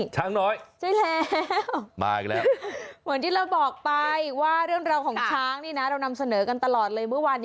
ช้างน้อย